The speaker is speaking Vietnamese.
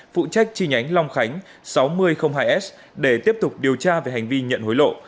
phụ trách chi nhánh long khánh sáu nghìn hai s để tiếp tục điều tra về hành vi nhận hối lộ